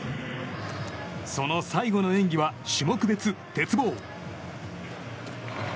その最後の演技は種目別鉄棒。